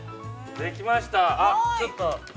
◆できました。